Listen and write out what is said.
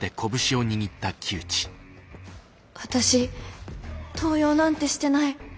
私盗用なんてしてない。